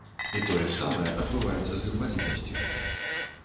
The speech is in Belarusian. І тое ж самае адбываецца з інваліднасцю.